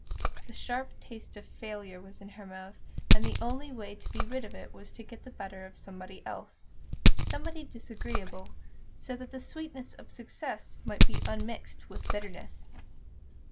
The sharp taste of failure was in her mouth, and the only way to be rid of it was to get the better of somebody else somebody disagreeable, so that the sweets of success might be unmixed with bitterness.